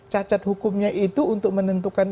cacat hukumnya itu untuk menentukan